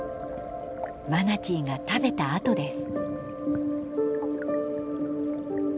マナティーが食べた跡です。